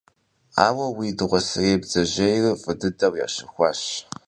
Ауэ уи дыгъуасэрей бдзэжьейр фӀы дыдэу ящэхуащ.